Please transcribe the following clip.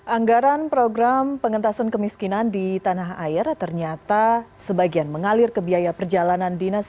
anggaran program pengentasan kemiskinan di tanah air ternyata sebagian mengalir ke biaya perjalanan dinas